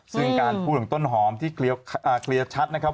ซึ่งการพูดของต้นหอมที่เคลียร์ชัดนะครับ